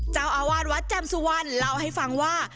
เจ้าอาวาสวัดแจ่มสุวรรณเล่าให้ฟังว่า